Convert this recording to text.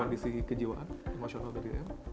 kondisi kejiwaan emosional dari m